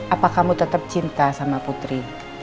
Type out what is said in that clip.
apa kamu tetap cinta sama putri